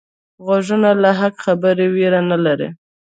غوږونه له حق خبرې ویره نه لري